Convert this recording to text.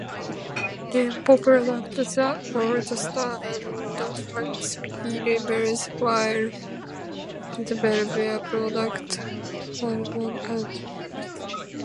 Tempo produces the Goldstar and Maccabee labels, while Israel Beer produces Carlsberg and Tuborg.